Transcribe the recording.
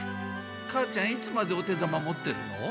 母ちゃんいつまでお手玉持ってるの。